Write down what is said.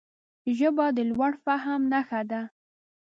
ژبه د لوړ فهم نښه ده